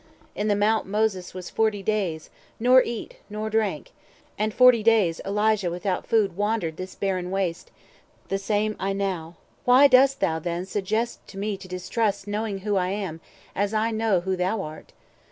In the Mount Moses was forty days, nor eat nor drank; And forty days Eliah without food Wandered this barren waste; the same I now. Why dost thou, then, suggest to me distrust Knowing who I am, as I know who thou art?"